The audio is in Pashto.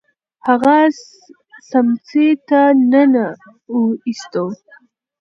هغه سمڅې ته ننه ایستو.